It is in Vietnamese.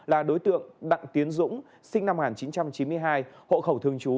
là đối tượng đặng tiến dũng sinh năm một nghìn chín trăm chín mươi hai hộ khẩu thường trú